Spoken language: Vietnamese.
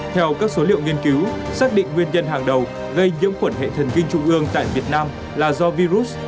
theo các số liệu nghiên cứu xác định nguyên nhân hàng đầu gây nhiễm khuẩn hệ thần kinh trung ương tại việt nam là do virus